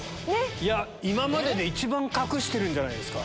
今までで一番隠してるんじゃないですか？